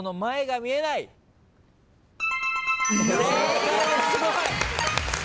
正解です。